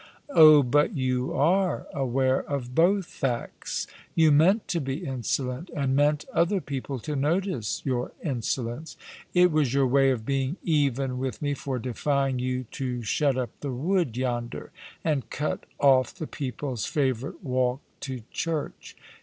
" Oh, but you are aware of both facts. You meant to be insolent, and meant other people to notice your insolence. It was your way of being even with me for defying you to shut up the wood yonder, and cut off the people's favourite walk to church.